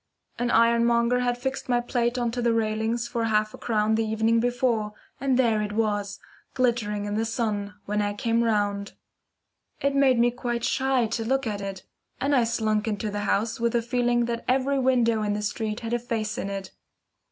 An ironmonger had fixed my plate on to the railings for half a crown the evening before, and there it was, glittering in the sun, when I came round. It made me quite shy to look at it, and I slunk into the house with a feeling that every window in the street had a face in it.